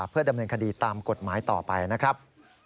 เพื่อดำเนินคดีตามกฎหมายต่อไปนะครับ